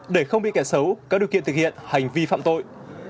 để không bị kẻ xấu có điều kiện thực hiện hành vi phạm tội